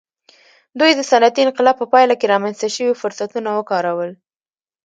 دوی د صنعتي انقلاب په پایله کې رامنځته شوي فرصتونه وکارول.